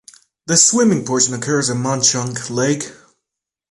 The swimming portion occurs in Mauch Chunk Lake.